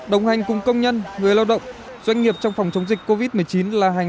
đồng hành cùng công nhân người lao động doanh nghiệp trong phòng chống dịch covid một mươi chín là hành